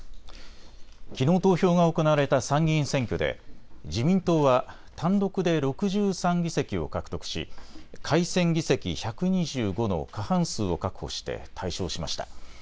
きのう投票が行われた参議院選挙で自民党は単独で６３議席を獲得し改選議席１２５の過半数を確保して大勝しました。